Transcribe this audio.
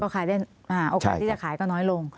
โอกาสที่จะขายก็น้อยลง